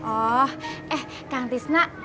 oh eh kang tisna